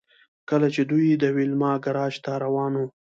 کله چې دوی د ویلما ګراج ته روان وو